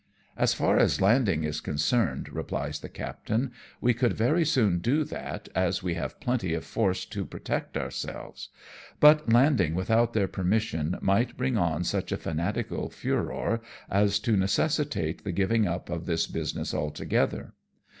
" As far as landing is concerned," replies the captain, "we could very soon do that, as we have plenty of force to protect ourselves ; but landing without their permission might bring on such a fanatical furore as to necessitate the giving up of this business altogether.